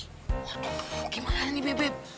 waduh gimana nih bebep